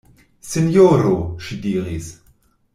Sinjoro, ŝi diris.